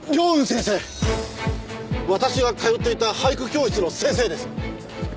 私が通っていた俳句教室の先生です！